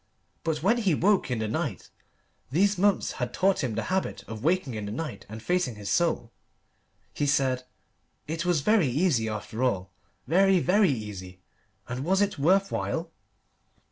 But when he woke in the night these months had taught him the habit of waking in the night and facing his soul he said "It was very easy, after all very, very easy. And was it worth while?"